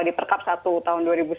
di perkab satu tahun dua ribu sembilan